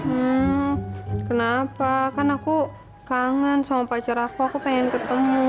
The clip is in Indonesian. hmm kenapa kan aku kangen sama pacar aku aku pengen ketemu